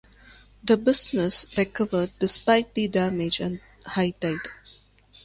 The businesses recovered despite the damage and high tide.